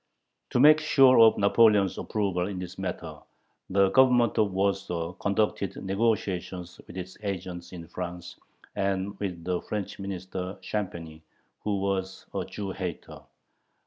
To make sure of Napoleon's approval in this matter, the Government of Warsaw conducted negotiations with its agents in France and with the French minister Champagny, who was a Jew hater.